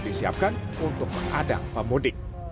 disiapkan untuk mengadang pemudik